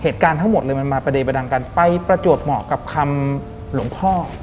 เหตุการณ์ทั้งหมดเลยมันมาประเดประดังกันไปประจวบเหมาะกับคำหลวงพ่อ